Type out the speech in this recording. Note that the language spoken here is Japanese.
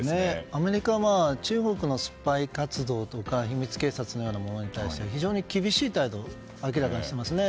アメリカは中国のスパイ活動とか秘密警察のようなものに対して非常に厳しい態度を明らかにしていますよね。